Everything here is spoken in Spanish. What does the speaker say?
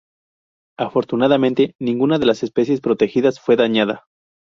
Afortunadamente, ninguna de las especies protegidas fue dañada.